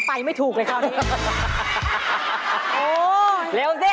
ไปไม่ถูกเลยคราวนี้